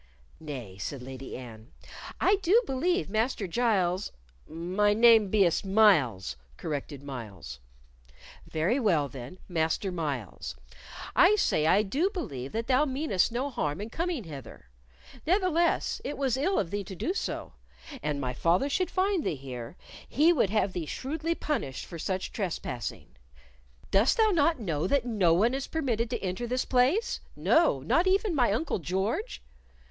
"Nay," said Lady Anne, "I do believe Master Giles " "My name be'st Myles," corrected Myles. "Very well, then, Master Myles, I say I do believe that thou meanest no harm in coming hither; ne'theless it was ill of thee so to do. An my father should find thee here, he would have thee shrewdly punished for such trespassing. Dost thou not know that no one is permitted to enter this place no, not even my uncle George?